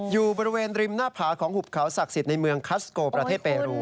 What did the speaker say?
อยู่บริเวณริมหน้าผาของหุบเขาศักดิ์สิทธิ์ในเมืองคัสโกประเทศเปรู